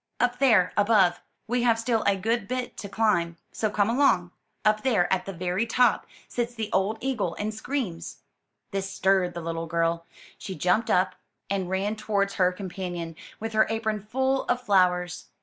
"Up there, above. We have still a good bit to climb; so come along. Up there, at the very top, sits the old eagle, and screams!" This stirred the little girl. She jumped up, and ran towards her companion, with her apron full of flowers.